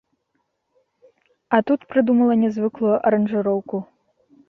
А тут прыдумала нязвыклую аранжыроўку.